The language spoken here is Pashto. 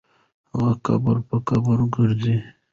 هغه قبر په قبر وګرځېد.